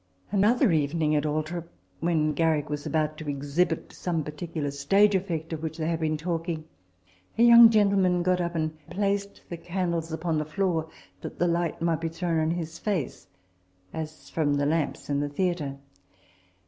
Another evening at Althorp, when Garrick was about to exhibit some particular stage effect of which they had been talking, a young gentleman got up and placed the candles upon the floor, that the light might be thrown on his face as from the lamps in the theatre.